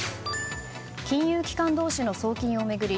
金融機関同士の送金を巡り